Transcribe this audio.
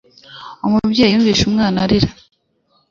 umubyeyi yumvishe umwana arira